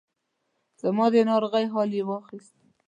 زما د ناروغۍ حال یې واخیست.